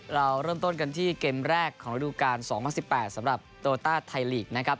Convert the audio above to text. เราเริ่มต้นกันที่เกมแรกของระดูการ๒๐๑๘สำหรับโตต้าไทยลีกนะครับ